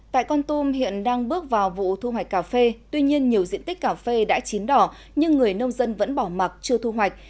tại con tum hiện đang bước vào vụ thu hoạch cà phê tuy nhiên nhiều diện tích cà phê đã chín đỏ nhưng người nông dân vẫn bỏ mặt chưa thu hoạch